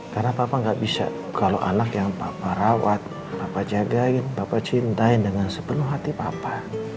karena papa nggak bisa kalau anak yang papa rawat papa jagain papa cintain dengan sepenuh hati papa